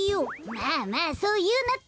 まあまあそういうなって。